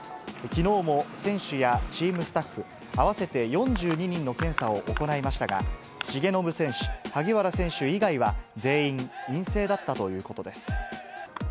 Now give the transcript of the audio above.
きのうも選手やチームスタッフ、合わせて４２人の検査を行いましたが、重信選手、萩原選手以外は、全員陰性だったということです。